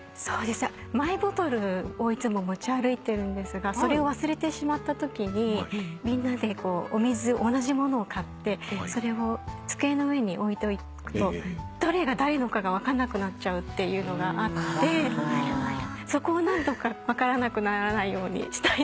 マイボトルをいつも持ち歩いているんですがそれを忘れてしまったときにみんなでお水同じものを買ってそれを机の上に置いとくとどれが誰のかが分かんなくなっちゃうっていうのがあってそこを何とか分からなくならないようにしたい。